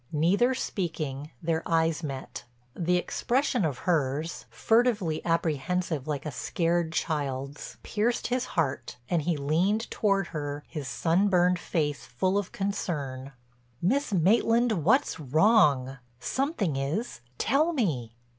Neither speaking, their eyes met. The expression of hers, furtively apprehensive like a scared child's pierced his heart and he leaned toward her, his sunburned face full of concern: "Miss Maitland, what's wrong? Something is—tell me."